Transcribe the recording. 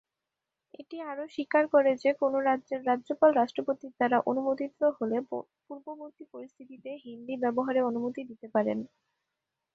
এটি আরও স্বীকার করে যে কোনও রাজ্যের রাজ্যপাল রাষ্ট্রপতির দ্বারা অনুমোদিত হলে পূর্ববর্তী পরিস্থিতিতে হিন্দি ব্যবহারের অনুমতি দিতে পারেন।